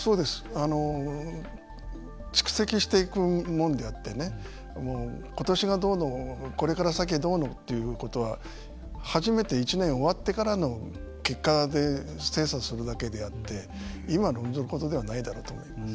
あの蓄積していくもんであってねことしがどうのこれから先どうのということは初めて１年終わってからの結果で精査するだけであって今論ずることではないだろうと思います。